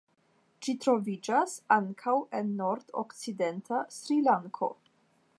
Ĝi troviĝas ankaŭ en nordokcidenta Sri-Lanko.